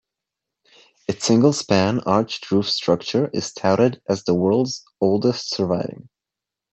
Its single-span arched roof structure is touted as the world's oldest surviving.